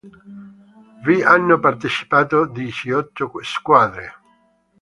Vi hanno partecipato diciotto squadre.